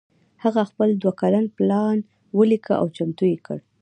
هغه خپل دوه کلن پلان وليکه او چمتو يې کړ.